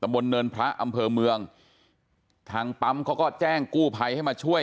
บนเนินพระอำเภอเมืองทางปั๊มเขาก็แจ้งกู้ภัยให้มาช่วย